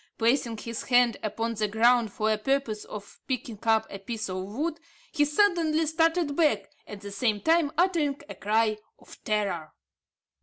Placing his hand upon the ground for the purpose of picking up a piece of wood, he suddenly started back, at the same time uttering a cry of terror.